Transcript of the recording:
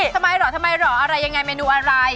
ทำไมเหรอทำไมเหรออะไรยังไงเมนูอะไร